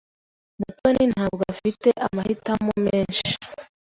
Mutoni ntabwo afite amahitamo menshi.